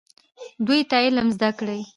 دوی ته علم زده کړئ